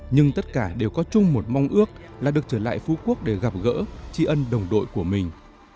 nhưng tất cả đều có chung một mong ước là được trở lại phú quốc để gặp gỡ tri ân đồng đội của mình